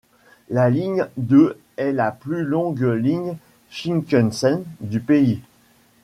La ligne de est la plus longue ligne Shinkansen du pays.